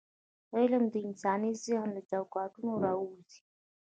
علم د انساني ذهن له چوکاټونه راووځي.